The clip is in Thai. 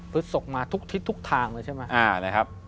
พฤษกมาทุกทางเลยใช่ไหม